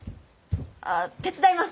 あ手伝います。